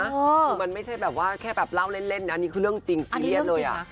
คือมันไม่ใช่แบบว่าแค่แบบเล่าเล่นนะอันนี้คือเรื่องจริงซีเรียสเลยอ่ะ